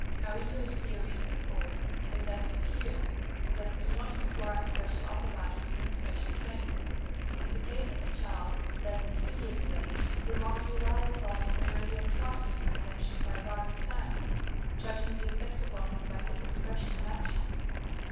Our interest here is, of course, in the tests of hearing that do not require special apparatus and special training. In the case of a child less than two years of age we must rely upon merely attracting his attention by various sounds, judging the effect upon him by his expression and actions.